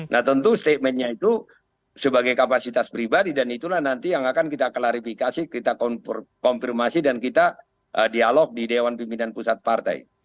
nah tentu statementnya itu sebagai kapasitas pribadi dan itulah nanti yang akan kita klarifikasi kita konfirmasi dan kita dialog di dewan pimpinan pusat partai